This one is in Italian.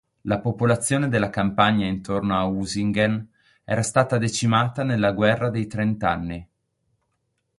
La popolazione della campagna intorno a Usingen era stata decimata nella guerra dei trent'anni.